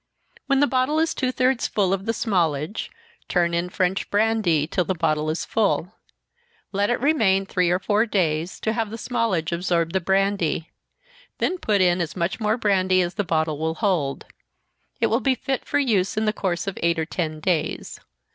When the bottle is two thirds full of the smallage, turn in French brandy, till the bottle is full. Let it remain three or four days, to have the smallage absorb the brandy then put in as much more brandy as the bottle will hold. It will be fit for use in the course of eight or ten days.